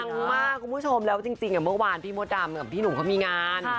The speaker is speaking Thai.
มากคุณผู้ชมแล้วจริงเมื่อวานพี่มดดำกับพี่หนุ่มเขามีงาน